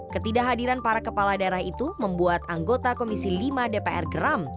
ketidakhadiran para kepala daerah itu membuat anggota komisi lima dpr geram